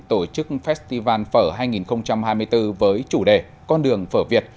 tổ chức festival phở hai nghìn hai mươi bốn với chủ đề con đường phở việt